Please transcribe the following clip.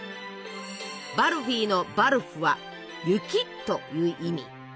「バルフィ」の「バルフ」は「雪」という意味。